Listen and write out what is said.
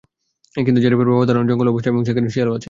কিন্তু জারিফের বাবার ধারণা, জঙ্গল অবশ্যই আছে এবং সেখানে শিয়ালও আছে।